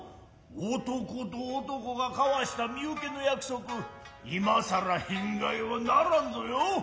男と男が交わした身請けの約束今更変替はならんぞよ。